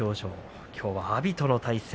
きょうは阿炎との対戦。